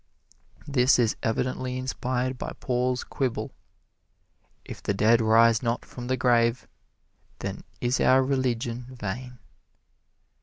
This is evidently inspired by Paul's quibble, "If the dead rise not from the grave, then is our religion vain."